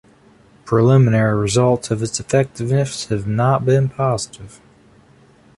Preliminary results of its effectiveness have not been positive.